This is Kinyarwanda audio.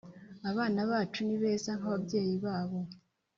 Abana bacu ni beza nkaba byeyi babo